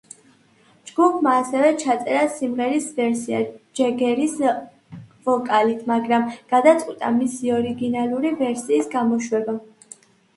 ჯგუფმა ასევე ჩაწერა სიმღერის ვერსია ჯეგერის ვოკალით, მაგრამ გადაწყვიტა მისი ორიგინალური ვერსიის გამოშვება.